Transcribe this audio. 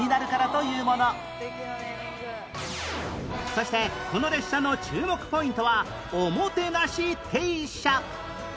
そしてこの列車の注目ポイントはおもてなし停車